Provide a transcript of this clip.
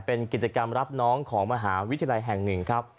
เป็นกิจกรรมรับน้องของมหาวิทยาลัยแห่งหนึ่งครับ